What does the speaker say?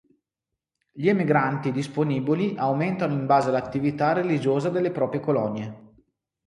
Gli emigranti disponibili aumentano in base all'attività religiosa delle proprie colonie.